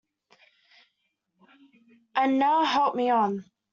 And now help me on.